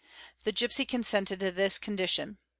The gipsy consented to this condition.